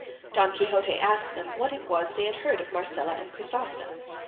Don Quixote asked them what it was they had heard of Marcela and Chrysostom.